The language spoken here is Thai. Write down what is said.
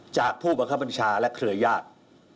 จากผู้บัคคบรรชาและเครือญาติ